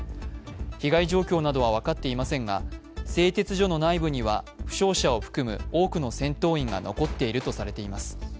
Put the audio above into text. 被害状況などは分かっていませんが、製鉄所の内部には負傷者を含む多くの戦闘員が残っているとされています。